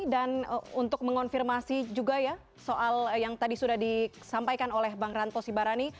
dan untuk mengonfirmasi juga ya soal yang tadi sudah disampaikan oleh bang rantop sibarani